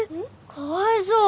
かわいそう。